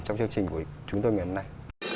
trong chương trình của chúng tôi ngày hôm nay